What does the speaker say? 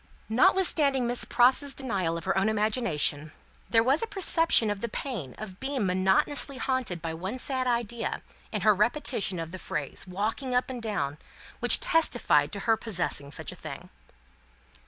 Notwithstanding Miss Pross's denial of her own imagination, there was a perception of the pain of being monotonously haunted by one sad idea, in her repetition of the phrase, walking up and down, which testified to her possessing such a thing.